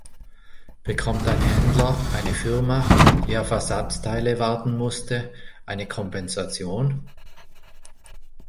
Bekommt ein Händler, eine Firma, die auf Ersatzteile warten musste, eine Kompensation?